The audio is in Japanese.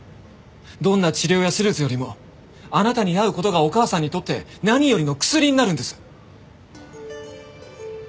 どんな治療や手術よりもあなたに会う事がお母さんにとって何よりの薬になるんです。